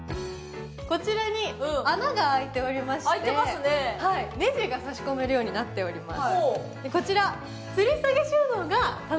こちらに穴が開いておりましてネジが差し込めるようになっております。